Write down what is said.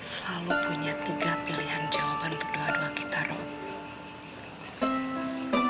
selalu punya tiga pilihan jawaban untuk doa doa kita rob